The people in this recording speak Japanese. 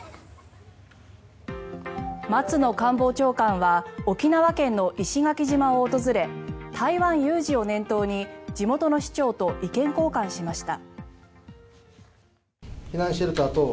松野官房長官は沖縄県の石垣島を訪れ台湾有事を念頭に地元の市長と意見交換しました。